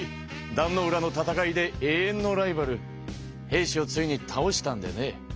壇ノ浦の戦いで永遠のライバル平氏をついにたおしたんでね。